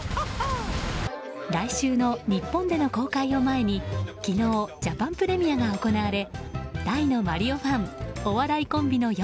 来週の日本での公開を前に昨日、ジャパンプレミアが行われ大のマリオファンお笑いコンビのよ